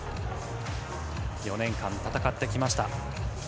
４年間戦ってきました。